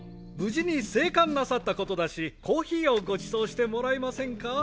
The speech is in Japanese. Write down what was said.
無事に生還なさったことだしコーヒーをごちそうしてもらえませんか？